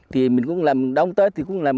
thì mình cũng làm đông tết thì cũng làm